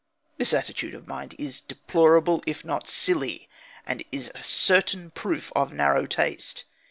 This attitude of mind is deplorable, if not silly, and is a certain proof of narrow taste.